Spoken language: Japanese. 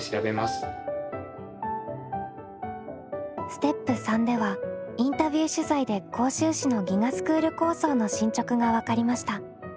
ステップ３ではインタビュー取材で甲州市の「ＧＩＧＡスクール構想」の進捗が分かりました。